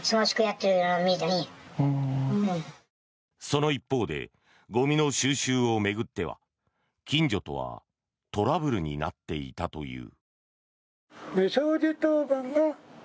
その一方でゴミの収集を巡っては近所とはトラブルになっていたという。